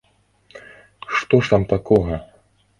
Што ж там такога?